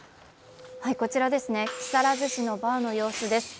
こちら、木更津市のバーの様子です。